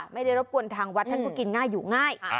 ไม่ได้รบกวนทางวัดท่านก็กินง่ายอยู่ง่าย